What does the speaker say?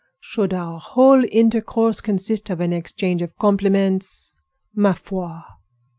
"Should our whole intercourse consist of an exchange of compliments? _Ma foi!